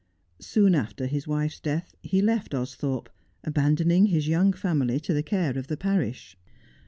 Soon after his wife's death he left Austhorpe, abandoning his young family to the care of the parish.